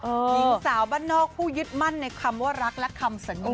หญิงสาวบ้านนอกผู้ยึดมั่นในคำว่ารักและคำสันนิษ